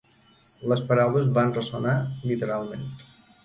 Les paraules van ressonar literalment.